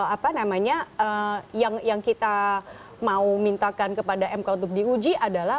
apa namanya yang kita mau mintakan kepada mk untuk diuji adalah